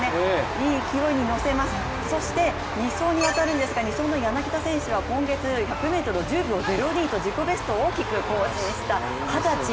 いい勢いに乗せます、そして２走に当たるんですが、２走の柳田選手は今月１００ｍを１０秒０２と自己ベストを大きく更新した二十歳。